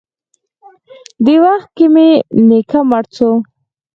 دې وخت کښې مې نيکه مړ سو.